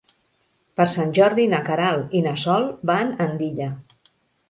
Per Sant Jordi na Queralt i na Sol van a Andilla.